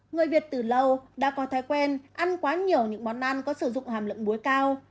người việt từ lâu đã có thói quen ăn quá nhiều những món ăn có sử dụng hàm lượng muối cao